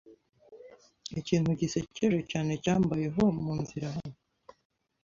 Ikintu gisekeje cyane cyambayeho munzira hano.